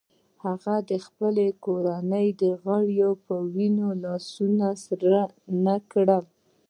هغه د خپلې کورنۍ د غړو په وینو لاسونه سره نه کړل.